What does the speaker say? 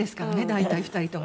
大体２人ともね。